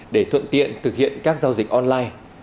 để thuận tiện thực hiện các giao dịch online